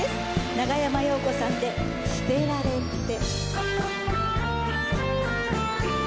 長山洋子さんで『捨てられて』。